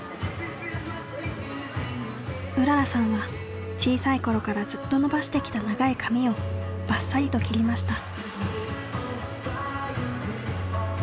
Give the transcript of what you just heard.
うららさんは小さい頃からずっと伸ばしてきた長い髪をばっさりと切りました。